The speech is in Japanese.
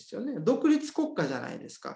独立国家じゃないですか。